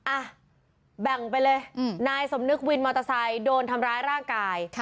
อ่ะแบ่งไปเลยนายสมนึกวินมอเตอร์ไซค์โดนทำร้ายร่างกาย